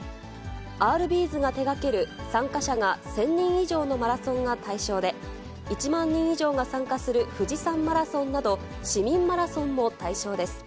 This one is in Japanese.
アールビーズが手がける参加者が１０００人以上のマラソンが対象で、１万人以上が参加する富士山マラソンなど、市民マラソンも対象です。